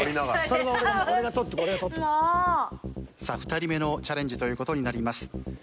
さあ２人目のチャレンジという事になります。